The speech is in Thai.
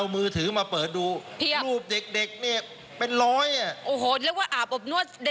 เรื่องนี้มันเป็นเรื่องที่มันมีมานานล่ะ